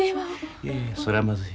いやいやそれはまずい。